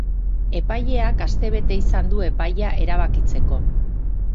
Epaileak astebete izan du epaia erabakitzeko.